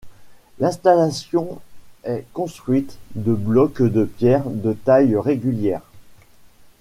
L’installation est construite de blocs de pierre, de taille régulière.